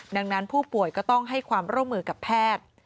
ดังนั้นผู้ป่วยก็ต้องให้ความร่วมมือกับแพทย์